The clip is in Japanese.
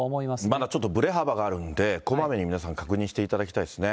まだちょっとぶれ幅があるんで、こまめに皆さん確認していただきたいですね。